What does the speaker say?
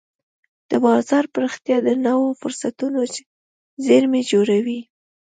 د بازار پراختیا د نوو فرصتونو زېرمې جوړوي.